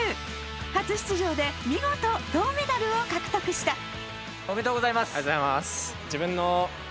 初出場で見事銅メダルを獲得した。